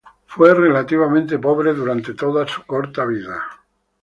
Fue relativamente pobre durante toda su corta vida.